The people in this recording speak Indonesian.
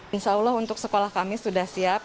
insya allah untuk sekolah kami sudah siap